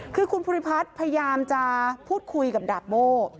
คือคุณภูริพัฒน์พยายามจะพูดคุยกับดาบโม่